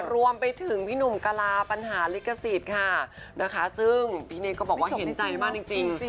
รวมไปถึงพี่หนุ่มกะลาปัญหาลิขสิทธิ์ค่ะนะคะซึ่งพี่นิกก็บอกว่าเห็นใจมากจริง